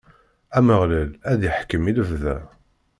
Ameɣlal ad iḥkem i lebda.